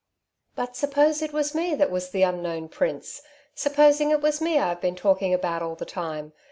"But suppose 'it was me that was the unknown prince? Supposing it was me I've been talking about all the time?